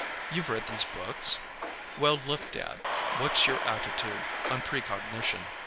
You've read these books? Well, look, Dad; what's your attitude on precognition?